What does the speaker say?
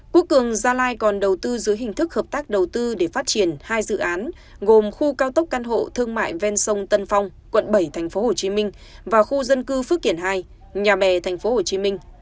quốc cường gia lai còn đầu tư dưới hình thức hợp tác đầu tư để phát triển hai dự án gồm khu cao tốc căn hộ thương mại ven sông tân phong quận bảy tp hcm và khu dân cư phước kiển hai nhà bè tp hcm